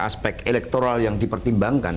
aspek elektoral yang dipertimbangkan